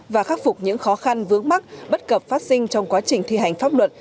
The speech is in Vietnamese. và khắc phục những khó khăn vướng mắt bất cập phát sinh trong quá trình thi hành pháp luật